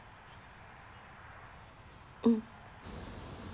うん。